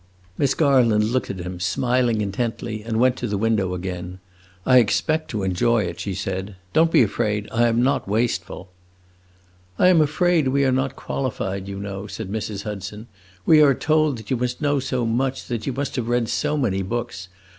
Miss Garland looked at him, smiling intently, and went to the window again. "I expect to enjoy it," she said. "Don't be afraid; I am not wasteful." "I am afraid we are not qualified, you know," said Mrs. Hudson. "We are told that you must know so much, that you must have read so many books.